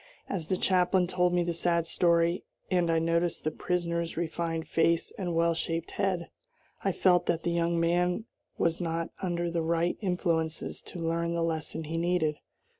As the chaplain told me the sad story, and I noticed the prisoner's refined face and well shaped head, I felt that the young man was not under the right influences to learn the lesson he needed.